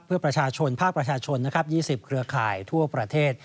เพื่อประชาชนภาคประชาชนนะครับ๒๐เครือข่ายทั่วประเทศ